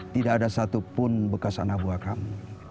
tidak ada satupun bekas anabua kamu